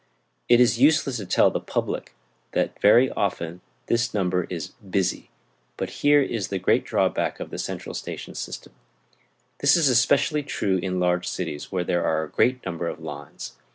It is useless to tell the public that very often this number is "busy," and here is the great drawback to the central station system. This is especially true in large cities, where there are a great number of lines.